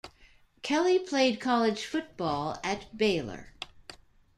Kelley played college football at Baylor.